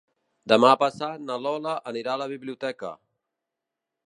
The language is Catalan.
Demà passat na Lola anirà a la biblioteca.